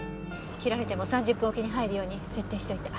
切られても３０分置きに入るように設定しておいた。